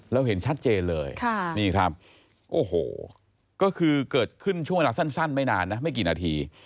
เห็นชัดเจนเลยนี่ครับโอ้โหก็คือเกิดขึ้นช่วงเวลาสั้นไม่นานนะไม่กี่นาที